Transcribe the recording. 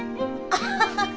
ハハハハ。